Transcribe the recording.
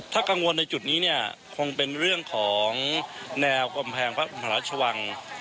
ถ้ากังวลในจุดนี้เนี่ยคงเป็นเรื่องของแนวกำแพงพระบรมราชวัง